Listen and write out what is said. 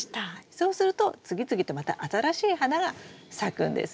そうすると次々とまた新しい花が咲くんです。